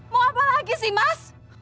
mau apa lagi sih mas